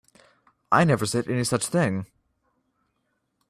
I never said any such thing.